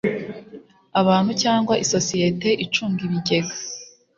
abantu cyangwa isosiyete icunga ibigega